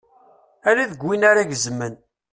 Ala deg win ara gezmen.